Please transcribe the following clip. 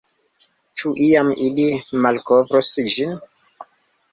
Ĉu iam ili malkovros ĝin?